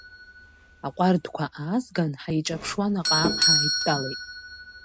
Аҟәардәқәа аазган, ҳаиҿаԥшуа наҟ-ааҟ ҳааидтәалеит.